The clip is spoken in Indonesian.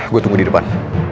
gue tunggu di depan